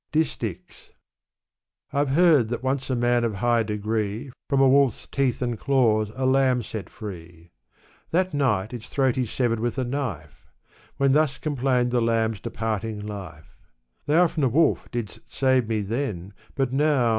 Distichs. I've heard that once a man of high degree From a wolfs teeth and claws a lamb set free. That night its throat he severed with a knife, When thus complained the lamb's departing life, Thou from the wolf didst save me then, but now.